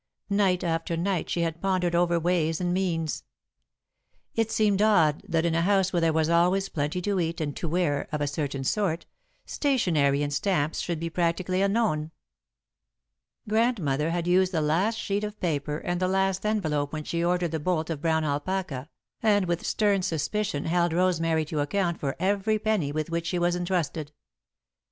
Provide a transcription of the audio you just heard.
Night after night she had pondered over ways and means. It seemed odd that in a house where there was always plenty to eat and to wear, of a certain sort, stationery and stamps should be practically unknown. Grandmother had used the last sheet of paper and the last envelope when she ordered the bolt of brown alpaca, and with stern suspicion held Rosemary to account for every penny with which she was entrusted.